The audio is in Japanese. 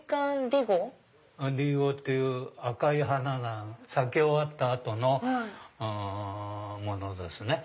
デイゴっていう赤い花が咲き終わった後のものですね。